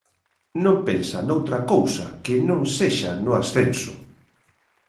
Non pensa noutra cousa que non sexa no ascenso.